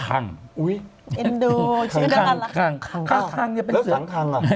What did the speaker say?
อุ๊ยเอ็นดูชื่อด้วยกันล่ะคังแล้วสังคังอ่ะ